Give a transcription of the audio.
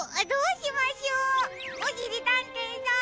おしりたんていさん。